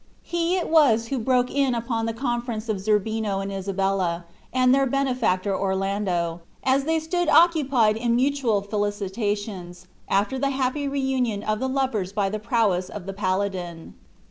He it was who broke in upon the conference of Zerbino and Isabella, and their benefactor Orlando, as they stood occupied in mutual felicitations, after the happy reunion of the lovers by the prowess of the paladin.